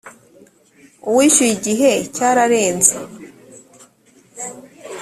uwishyuye igihe cyararenze